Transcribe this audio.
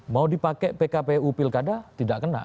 mau dipakai pkpu pilkada tidak kena